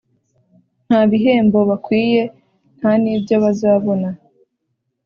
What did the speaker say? Ntabihembo bakwiye ntanibyo bazabona